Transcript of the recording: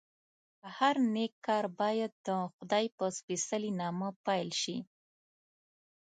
هر نېک کار باید دخدای په سپېڅلي نامه پیل شي.